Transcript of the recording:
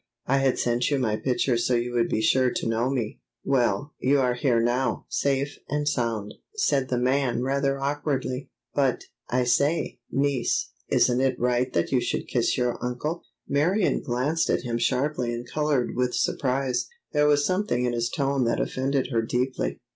I had sent you my picture so you would be sure to know me." "Well, you are here now, safe and sound," said the man rather awkwardly; "but, I say, niece, isn't it right that you should kiss your uncle?" Marion glanced at him sharply and colored with surprise. There was something in his tone that offended her deeply.